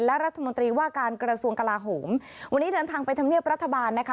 และรัฐมนตรีว่าการกระทรวงกลาโหมวันนี้เดินทางไปทำเนียบรัฐบาลนะคะ